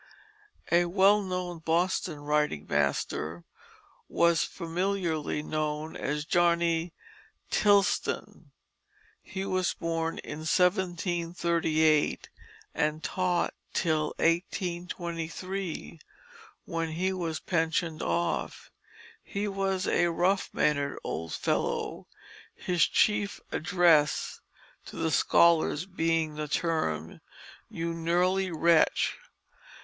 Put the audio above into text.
A well known Boston writing master was familiarly known as Johnny Tileston. He was born in 1738 and taught till 1823, when he was pensioned off. He was a rough mannered old fellow; his chief address to the scholars being the term, "You gnurly wretch."